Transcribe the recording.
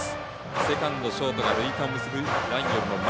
セカンド、ショートが塁間を結ぶラインよりも前。